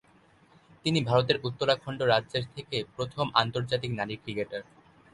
তিনি ভারতের উত্তরাখণ্ড রাজ্যের থেকে প্রথম আন্তর্জাতিক নারী ক্রিকেটার।